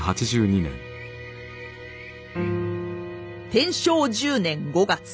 天正１０年５月。